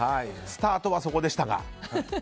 スタートはそこでしたが。